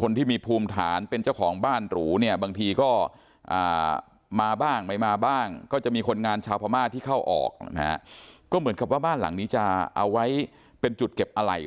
คนที่มีภูมิฐานเป็นเจ้าของบ้านหรูเนี่ยบางทีก็มาบ้างไม่มาบ้างก็จะมีคนงานชาวพม่าที่เข้าออกนะฮะ